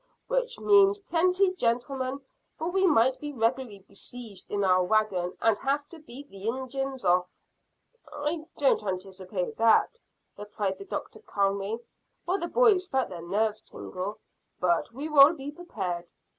"Which means plenty, gentlemen, for we might be regularly besieged in our wagon, and have to beat the Injuns off." "I don't anticipate that," replied the doctor calmly, while the boys felt their nerves tingle; "but we will be prepared.